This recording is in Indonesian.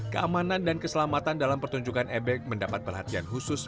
keamanan dan keselamatan dalam pertunjukan ebek mendapat perhatian khusus